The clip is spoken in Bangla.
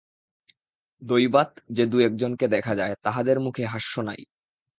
দৈবাৎ যে দু-একজনকে দেখা যায় তাহাদের মুখে হাস্য নাই।